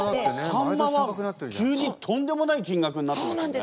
サンマは急にとんでもない金額になってますよね。